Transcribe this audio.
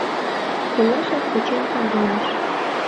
Толашак тӧчен пайремыш...